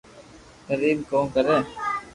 پر ايم ڪو ڪري